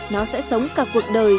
nó sẽ sống cả cuộc đời